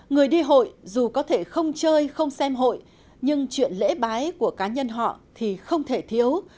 người đi hội dù có thể không chơi không xem hội nhưng chuyện lễ bái của cá nhân họ thì không thể thiếu